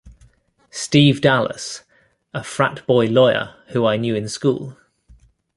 Steve Dallas...a frat-boy lawyer who I knew in school.